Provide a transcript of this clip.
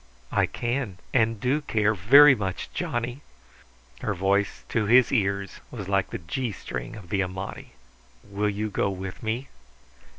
"I can and do care very much, Johnny." Her voice to his ears was like the G string of the Amati. "Will you go with me?"